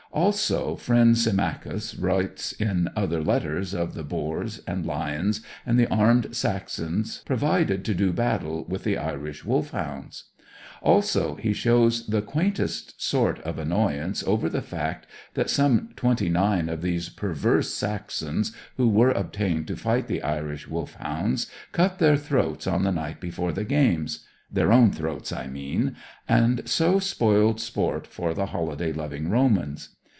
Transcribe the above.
Also, friend Symmachus writes in other letters of the boars, and lions, and the armed Saxons provided to do battle with the Irish Wolfhounds. Also, he shows the quaintest sort of annoyance over the fact that some twenty nine of these perverse Saxons, who were obtained to fight the Irish Wolfhounds, cut their throats on the night before the games their own throats, I mean and so spoiled sport for the holiday loving Romans.